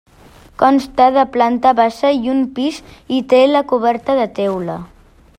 Consta de planta baixa i un pis, i té la coberta de teula.